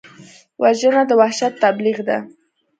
وژنه د وحشت تبلیغ دی